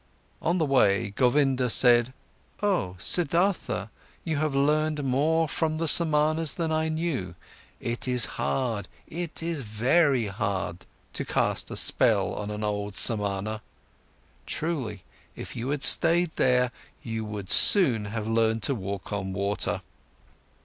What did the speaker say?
On the way, Govinda said: "Oh Siddhartha, you have learned more from the Samanas than I knew. It is hard, it is very hard to cast a spell on an old Samana. Truly, if you had stayed there, you would soon have learned to walk on water."